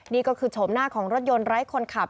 นี่ก็คือโฉมหน้าของรถยนต์ไร้คนขับ